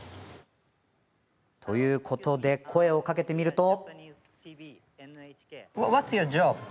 ということで声をかけてみると。